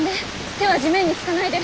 手は地面に着かないで。